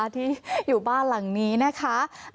ที่อยู่บ้านหลังนี้นะคะ